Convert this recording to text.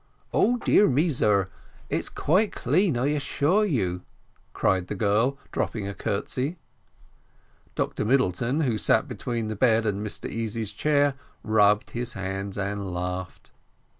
"Oh! dear me, sir, it's quite clean, I assure you," cried the girl, dropping a curtsey. Dr Middleton, who sat between the bed and Mr Easy's chair, rubbed his hands and laughed.